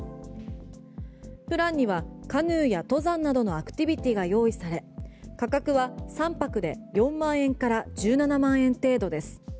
プランにはカヌーや登山などのアクティビティーが用意され価格は３泊で４万円から１７万円程度です。